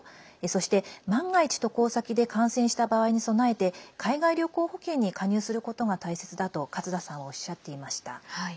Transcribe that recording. そして、万が一渡航先で感染した場合に備えて海外旅行保険に加入することが大切だと勝田さんはおっしゃっていました。